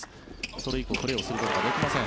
それ以降、プレーをすることができません。